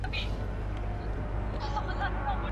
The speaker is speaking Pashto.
زده کونکي د خپلو مونوګرافونو لپاره موضوعات ټاکي.